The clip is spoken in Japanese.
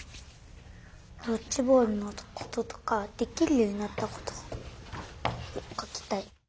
ドッジボールのこととかできるようになったことかきたい。